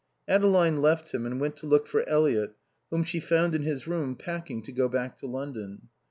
Adeline left him and went to look for Eliot whom she found in his room packing to go back to London.